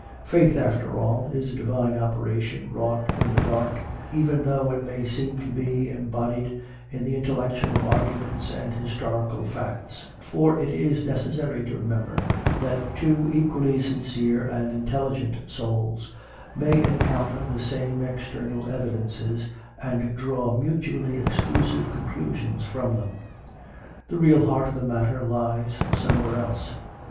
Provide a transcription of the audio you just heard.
Faith, after all, is a divine operation wrought in the dark, even though it may seem to be embodied in CONFESSIONS OF A CONVERT 5 intellectual arguments and historical facts; for it is necessary to remember that two equally sincere and intelligent souls may encounter the same ex ternal evidences and draw mutually exclusive con clusions from them. The real heart of the matter lies somewhere else.